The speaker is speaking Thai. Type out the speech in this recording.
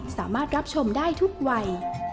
สามารถรับชมได้ทุกวัย